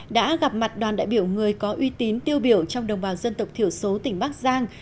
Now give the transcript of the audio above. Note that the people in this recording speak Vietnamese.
đã gặp mặt đoàn đại biểu người có uy tín tiêu biểu trong đồng bào dân tộc thiểu số tỉnh bắc giang